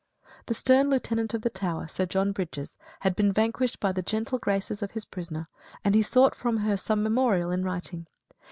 The stern Lieutenant of the Tower, Sir John Brydges, had been vanquished by the gentle graces of his prisoner and he sought from her some memorial in writing.